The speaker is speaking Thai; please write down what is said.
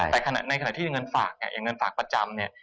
แต่ในขณะที่เงินฝากเนี่ยอย่างเงินฝากประจำเนี่ย